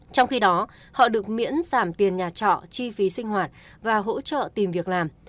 trong khi đó họ được miễn giảm tiền nhà trọ chi phí sinh hoạt và hỗ trợ tìm việc làm